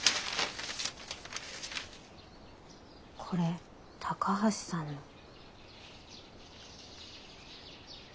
これ高橋さんの。